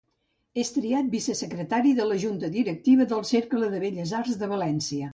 És triat vicesecretari de la junta directiva del Cercle de Belles Arts de València.